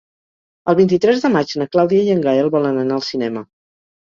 El vint-i-tres de maig na Clàudia i en Gaël volen anar al cinema.